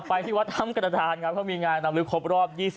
ไปที่วัดธรรมกรรฐานนะครับเขามีงานนำลึกครบรอบ